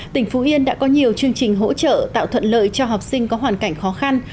tỉnh phú yên đã có nhiều chương trình hỗ trợ tạo thuận lợi cho học sinh có hoàn cảnh khó khăn